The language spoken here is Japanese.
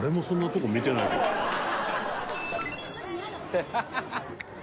「ハハハハ！」